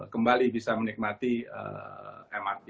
kembali bisa menikmati mrt